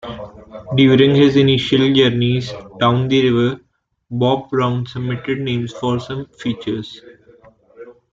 During his initial journeys down the river, Bob Brown submitted names for some features.